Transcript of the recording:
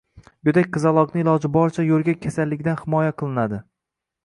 Go‘dak qizaloqni iloji boricha yo‘rgak kasalligidan himoya qilinadi.